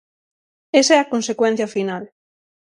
Esa é a consecuencia final.